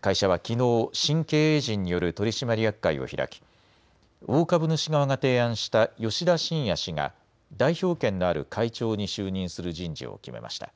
会社はきのう新経営陣による取締役会を開き大株主側が提案した吉田真也氏が代表権のある会長に就任する人事を決めました。